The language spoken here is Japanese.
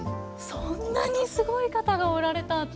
そんなにすごい方がおられたんですね。